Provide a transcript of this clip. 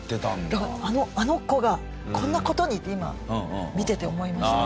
だからあの子がこんな事に！って今見てて思いました。